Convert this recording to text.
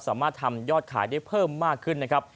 สามารถทำยอดขายได้เพิ่มมากขึ้นนะครับ